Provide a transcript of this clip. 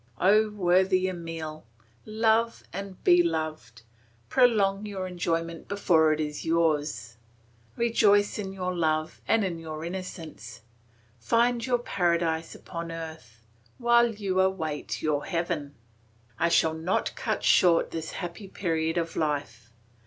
O worthy Emile! love and be loved! prolong your enjoyment before it is yours; rejoice in your love and in your innocence, find your paradise upon earth, while you await your heaven. I shall not cut short this happy period of life.